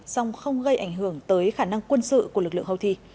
song không gây ảnh hưởng tới khả năng quân sự của lực lượng houthi